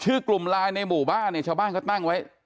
กลุ่มไลน์ในหมู่บ้านเนี่ยชาวบ้านเขาตั้งไว้